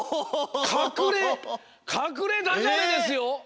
かくれかくれダジャレですよ！